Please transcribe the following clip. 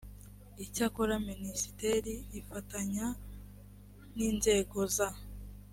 icyakora minisiteri ifatanya n inzego za